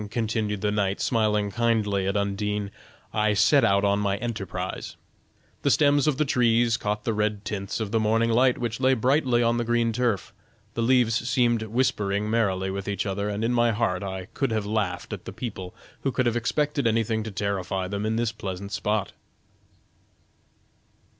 continued the knight, smiling kindly at Undine, "I set out on my enterprise. The stems of the trees caught the red tints of the morning light which lay brightly on the green turf, the leaves seemed whispering merrily with each other, and in my heart I could have laughed at the people who could have expected anything to terrify them in this pleasant spot.